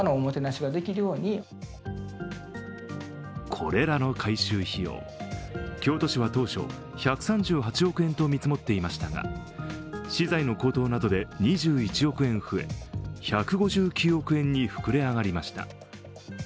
これらの改修費用、京都市は当初１３８億円と見積もっていましたが、資材の高騰などで２１億円増え、１５９億円に膨れ上がりました。